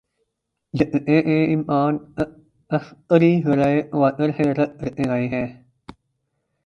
جھٹکے کے امکانات عسکری ذرائع تواتر سے رد کرتے آئے ہیں۔